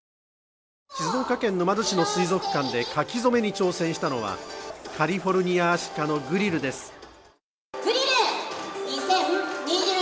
静岡県沼津市の水族館で書き初めに挑戦したのはカリフォルニアアシカのグリルです。